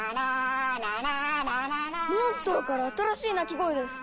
モンストロから新しい鳴き声です！